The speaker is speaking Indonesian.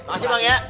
makasih bang ya